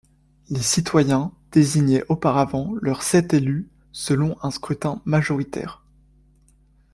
Les citoyens désignaient auparavant leurs sept élus selon un scrutin majoritaire.